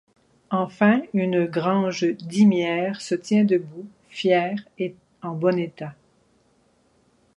Enfin, une grange dîmière se tient debout, fière et en bon état.